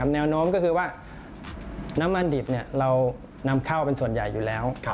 แนวโน้มก็คือว่าน้ำมันดิบเรานำเข้าเป็นส่วนใหญ่อยู่แล้ว